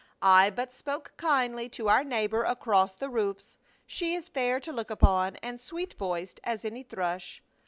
" I but spoke kindly to our neighbor across the roofs. She is fair to look upon, and sweet voiced as any thrush."